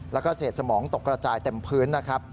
และเสร็จสมองตกกระจายเต็มพื้นนะครับ